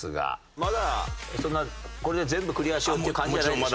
まだそんなこれで全部クリアしようっていう感じじゃないでしょ？